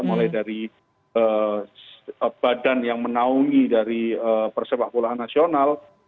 mulai dari badan yang menaungi dari persepak bolaan nasional